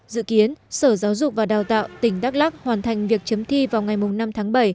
dự kiến sở giáo dục và đào tạo tỉnh đắk lắc hoàn thành việc chấm thi vào ngày năm tháng bảy